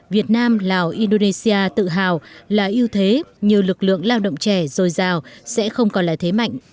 việt nam lào indonesia tự hào là ưu thế như lực lượng lao động trẻ dồi dào sẽ không còn là thế mạnh